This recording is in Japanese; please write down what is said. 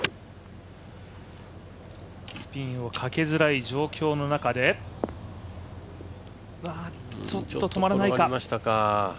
スピンをかけづらい状況の中でちょっと止まらないか。